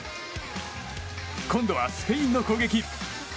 今度はスペインの攻撃。